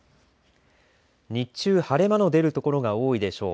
日中、晴れ間の出る所が多いでしょう。